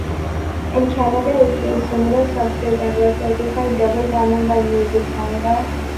In Canada, it reached similar success and was certified double diamond by Music Canada.